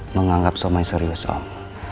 menganggap somai serius om